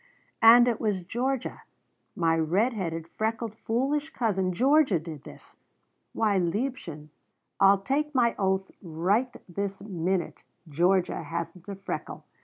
"And it was Georgia my red headed, freckled, foolish cousin Georgia did this! Why, liebchen, I'll take my oath right this minute Georgia hasn't a freckle!